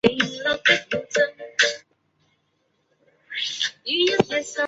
现时富豪雪糕的总部位于美国新泽西州的兰尼米德市。